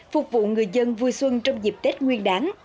phục vụ người dân vui xuân trong dịp tết nguyên đáng